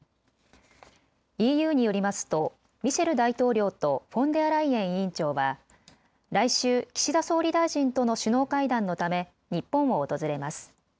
ＥＵによりますとミシェル大統領とフォンデアライエン委員長は来週、岸田総理大臣との首脳会談のため日本を訪れます。